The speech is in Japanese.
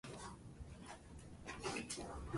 たくさん遊ぼう